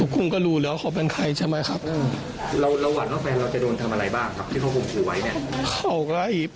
คุณก็รู้แล้วใครเขาใช่ไหมครับ